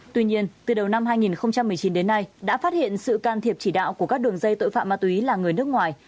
tuy nhiên từ đầu năm hai nghìn một mươi chín đến nay đã phát hiện sự can thiệp chỉ đạo của các đường dây tội phạm ma túy là người nước ngoài